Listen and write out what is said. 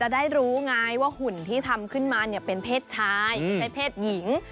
ได้รู้ไงว่าหุ่นที่ทำขึ้นมาเนี่ยเป็นเพศชายไม่ใช่เพศหญิง